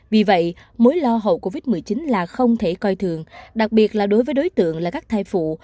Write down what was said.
vì vậy mối lo hậu covid một mươi chín là không thể coi thường đặc biệt là đối với đối tượng là các thai phụ